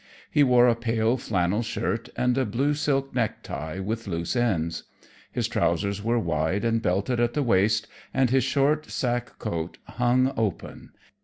He wore a pale flannel shirt and a blue silk necktie with loose ends. His trousers were wide and belted at the waist, and his short sack coat hung open.